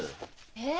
え？